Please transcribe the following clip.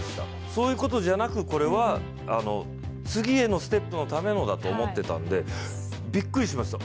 そういうことじゃなく、これは次へのステップのためと思っていたのでびっくりしました。